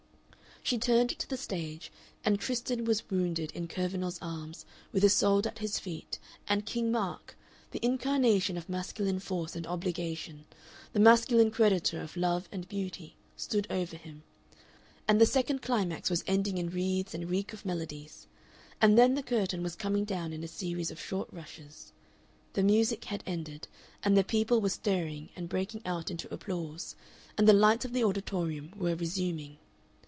She turned to the stage, and Tristan was wounded in Kurvenal's arms, with Isolde at his feet, and King Mark, the incarnation of masculine force and obligation, the masculine creditor of love and beauty, stood over him, and the second climax was ending in wreaths and reek of melodies; and then the curtain was coming down in a series of short rushes, the music had ended, and the people were stirring and breaking out into applause, and the lights of the auditorium were resuming.